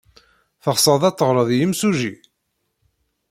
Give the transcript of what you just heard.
Teɣsed ad teɣred i yimsujji?